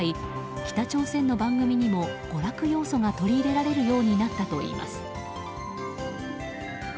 北朝鮮の番組にも娯楽要素が取り入れられるようになったといいます。